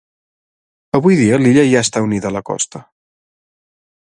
Avui dia l'illa ja està unida a la costa.